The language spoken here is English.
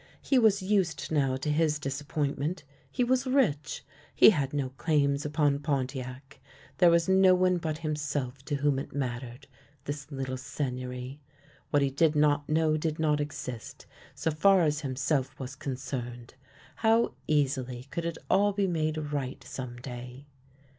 He was used now to his disappointment; he was rich; he had no claims upon Pontiac; there was no one but him self to whom it mattered, this little Seigneury. What he did not know did not exist, so far as himself was concerned. How easily could it all be made right some day